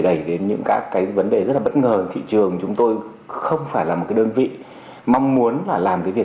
lý do năng lực của những vận j lastly cho bởi số cá nhân trắc tr thế giới with mettitle und der einen